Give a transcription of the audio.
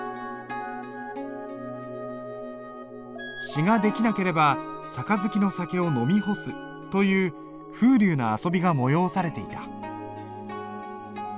詩が出来なければ杯の酒を飲み干すという風流な遊びが催されていた。